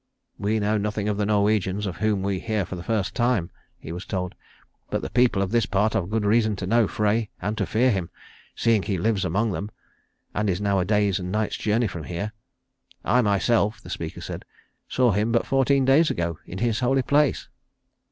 "We know nothing of the Norwegians, of whom we hear for the first time," he was told; "but the people of this part have good reason to know Frey, and to fear him, seeing he lives among them, and is now a day's and night's journey from here. I myself," the speaker said, "saw him but fourteen days ago, in his holy place."